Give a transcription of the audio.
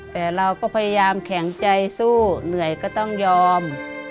แต่เราก็พยายามแข็งใจสู้เหนื่อยก็ต้องยอม